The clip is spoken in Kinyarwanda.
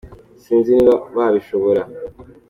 sinzi niba babishobora.